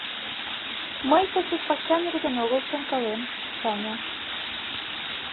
Мый кызыт пакча нерген огыл шонкалем, Саня.